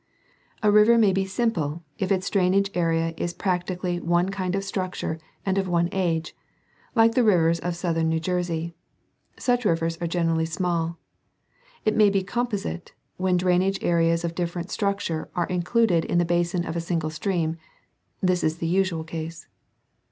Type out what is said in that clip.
A river may be simple, if its drainage area is of practically one kind of structure and of one age ; like the rivers of southern New Jersey. Such rivers are generally small. It may be com posite, when drainage areas of different structure are included in the basin of a single stream. This is the usual case.